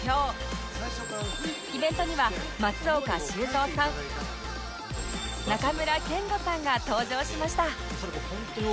イベントには松岡修造さん中村憲剛さんが登場しました